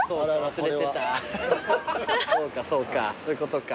そうかそうかそういうことか。